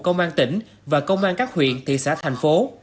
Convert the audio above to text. công an tỉnh và công an các huyện thị xã thành phố